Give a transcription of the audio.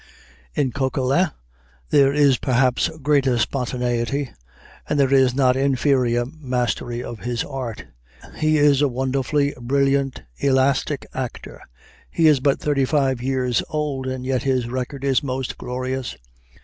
In Coquelin there is perhaps greater spontaneity, and there is a not inferior mastery of his art. He is a wonderfully brilliant, elastic actor. He is but thirty five years old, and yet his record is most glorious.